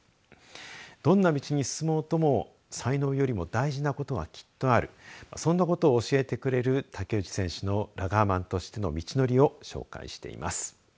どんな道に進もうとも才能よりも大事なことがきっとあるそんなことを教えてくれる竹内選手のラガーマンとしての道のりを紹介しています。